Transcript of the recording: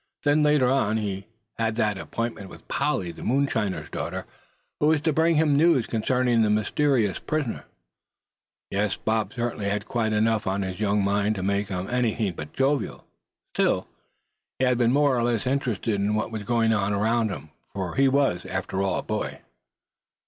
Then, later on, he had that appointment with Polly, the moonshiner's daughter, who was to bring him news concerning the mysterious prisoner. Yes, Bob certainly had quite enough on his young mind to make him anything but jovial. Still, he had been more or less interested in what was going on around him, for he was, after all, a boy.